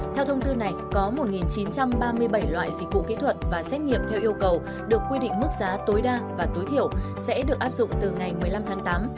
theo thông tư này có một chín trăm ba mươi bảy loại dịch vụ kỹ thuật và xét nghiệm theo yêu cầu được quy định mức giá tối đa và tối thiểu sẽ được áp dụng từ ngày một mươi năm tháng tám